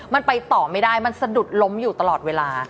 มันไปต่อไม่ได้มันสะดุดล้มอยู่ตลอดเวลา